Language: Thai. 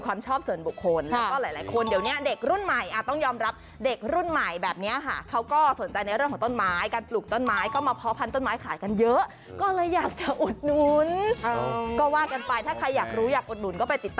คุณดูว่าเขาทำหน้ายังไง